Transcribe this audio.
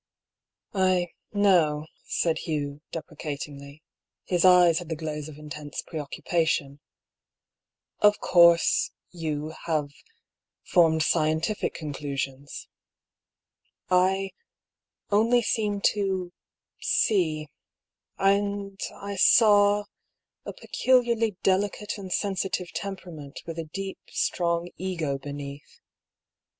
"I — know," said Hugh, deprecatingly. His eyes had the glaze of intense preoccupation. "Of — course — you — have formed scientific conclusions. I — only seem to^see. And I saw — a peculiarly delicate and sensitive temperament, with a deep, strong ego beneath. 62 DR. PAULL'S THEORY.